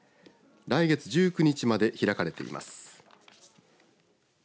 来月１９日まで開かれています。